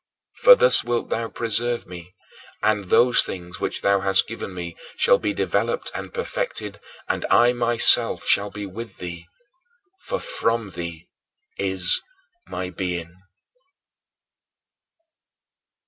For thus wilt thou preserve me; and those things which thou hast given me shall be developed and perfected, and I myself shall be with thee, for from thee is my being.